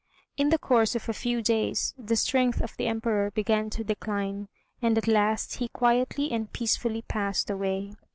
In the course of a few days the strength of the Emperor began to decline, and at last he quietly and peacefully passed away.